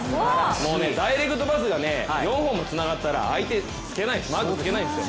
もう、ダイレクトパスが４本もつながったら相手、マークつけないですよ。